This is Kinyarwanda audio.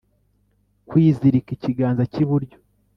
kwizirika ikiganza cy’iburyo.